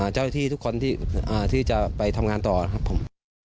เจ้าหน้าที่ทุกคนที่จะไปทำงานต่อนะครับผม